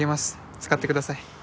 使ってください